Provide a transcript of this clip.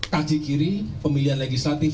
kaki kiri pemilihan legislatif